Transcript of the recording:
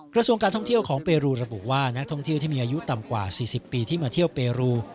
กระทรวงการท่องเที่ยวของเปรูระบุว่านักท่องเที่ยวที่มีอายุต่ำกว่า๔๐ปีที่มาเที่ยวเปรู